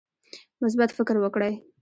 مثبت فکر وکړئ